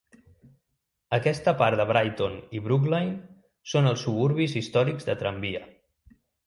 Aquesta part de Brighton i Brookline són els suburbis històrics de tramvia.